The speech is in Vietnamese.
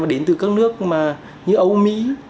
đến từ các nước như âu mỹ